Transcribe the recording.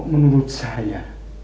kok menurut saya